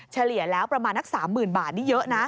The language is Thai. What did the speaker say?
เฉลี่ยแล้วประมาณนัก๓๐๐๐บาทนี่เยอะนะ